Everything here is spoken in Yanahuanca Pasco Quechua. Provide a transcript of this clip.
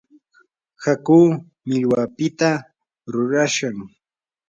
hakuu millwapita rurashqam.